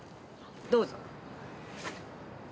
どうぞ。